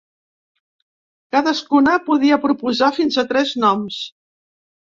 Cadascuna, podia proposar fins a tres noms.